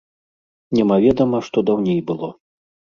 Немаведама, што даўней было.